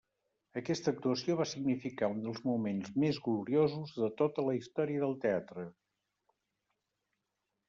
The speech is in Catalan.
Aquesta actuació va significar un dels moments més gloriosos de tota la història del teatre.